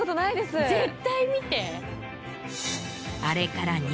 絶対見て！